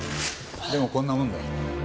でもこんなもんだ。